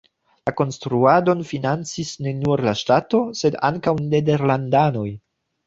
La konstruadon financis ne nur la ŝtato, sed ankaŭ nederlandanoj.